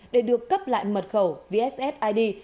để được cấp lại mật khẩu vssid